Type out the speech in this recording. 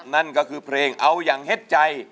นั่นก็คือเพลงเอาอย่างเฮ็ดใจ